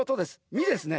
ミですね。